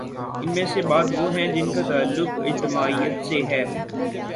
ان میں سے بعض وہ ہیں جن کا تعلق اجتماعیت سے ہے۔